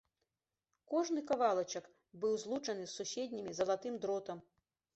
Кожны кавалачак быў злучаны з суседнімі залатым дротам.